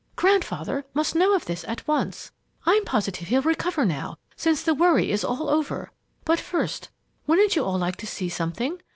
Grandfather must know of this at once. I'm positive he'll recover now, since the worry is all over. But first, wouldn't you all like to see something?